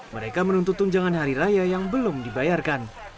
mereka menuntut tunjangan hari raya yang belum dibayarkan